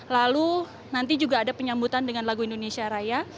lalu nanti juga ada penyambutan dengan lagu indonesia raya